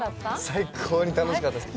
最高に楽しかったです。